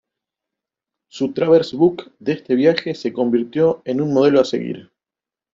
Su "Traverse book" de este viaje se convirtió en un modelo a seguir.